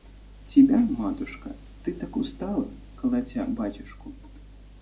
Тебя, матушка: ты так устала, колотя батюшку.